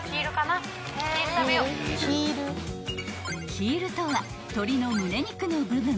［キールとは鶏の胸肉の部分］